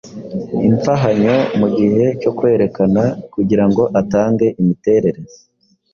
imfahanyo mugihe cyo kwerekana kugirango atange imiterere